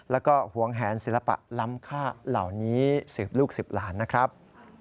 แล้วก็หวงแหนศิลปะล้ำค่าเหล่านี้สืบลูกสืบหลานนะครับ